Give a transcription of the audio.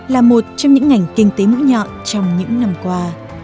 là một trong những ngành kinh tế mũi nhọn trong những năm qua